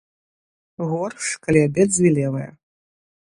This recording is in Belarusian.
Горш, калі абедзве левыя.